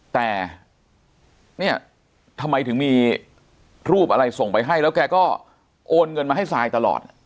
แต่เนี่ยทำไมถึงมีรูปอะไรส่งไปให้แล้วแกก็โอนเงินมาให้ซายตลอด